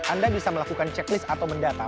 anda bisa melakukan checklist atau mendata